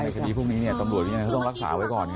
คุณกลัวเหรอ